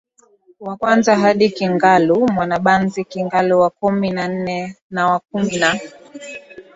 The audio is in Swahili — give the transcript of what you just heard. wa kwanza hadi Kingalu Mwanabanzi Kingalu wa kumi na nne na wa kumi na